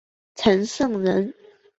陈胜人。